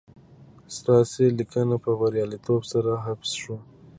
ستاسي لېنکه په برياليتوب سره حفظ شوه